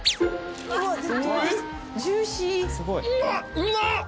うまっ！